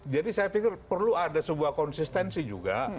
jadi saya pikir perlu ada sebuah konsistensi juga